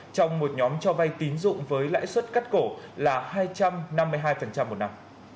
trong một nhóm cho vay tín dụng với lãi suất cắt cổ là hai trăm năm mươi hai một năm